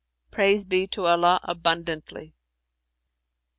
Praise be to Allah abundantly!